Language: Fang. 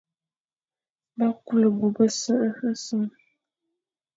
Ba kule bo bese nseñ,